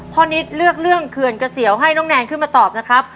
นิดเลือกเรื่องเขื่อนเกษียวให้น้องแนนขึ้นมาตอบนะครับ